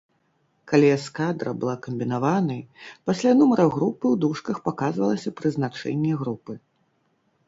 Калі эскадра была камбінаванай, пасля нумара групы ў дужках паказвалася прызначэнне групы.